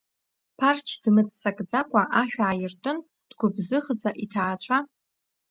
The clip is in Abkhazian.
Ԥарч дмыццакӡакәа ашә ааиртын, дгәыбзыӷӡа иҭаацәа…